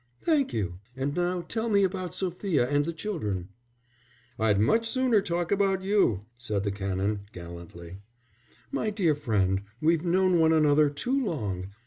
"Thank you. And now tell me about Sophia and the children." "I'd much sooner talk about you," said the Canon, gallantly. "My dear friend, we've known one another too long.